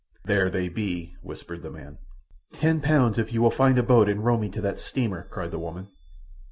"There they be," whispered the man. "Ten pounds if you will find a boat and row me to that steamer," cried the woman.